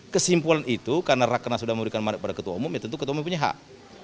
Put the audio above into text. kesimpulan itu karena rakena sudah memberikan mandat pada ketua umum ya tentu ketua umum punya hak